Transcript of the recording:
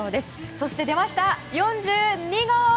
そして出ました４２号！